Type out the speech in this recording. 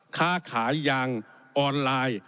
ค้าขายยางออนไลน์